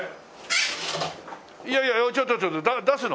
いやいやちょっとちょっと出すの？